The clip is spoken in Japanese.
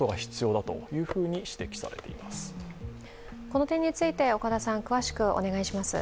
この点について岡田さん、詳しくお願いします。